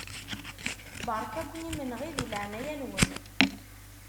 Beṛka-ken imenɣi di leɛnaya-nwen.